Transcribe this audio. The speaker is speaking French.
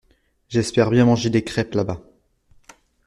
J’espère bien manger des crêpes là-bas.